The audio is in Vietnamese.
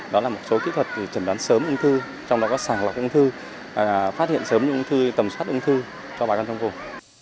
đó là một số kỹ thuật trần đoán sớm ung thư trong đó có sản lọc ung thư phát hiện sớm những ung thư tầm soát ung thư cho bà con trong vùng